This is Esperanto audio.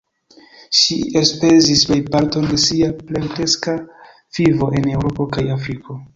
Ŝi elspezis plejparton de sia plenkreska vivo en Eŭropo kaj Afriko.